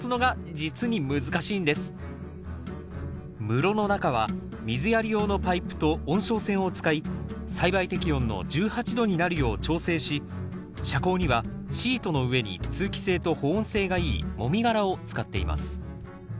室の中は水やり用のパイプと温床線を使い栽培適温の１８℃になるよう調整し遮光にはシートの上に通気性と保温性がいいもみ殻を使っています